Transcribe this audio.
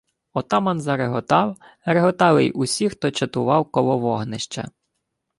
Отаман зареготав, реготали й усі, хто чатував коло вогнища.